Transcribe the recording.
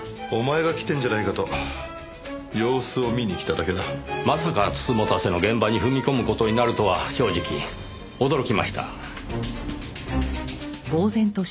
お前が来てるんじゃないかと様子を見に来ただけだ。まさか美人局の現場に踏み込む事になるとは正直驚きました。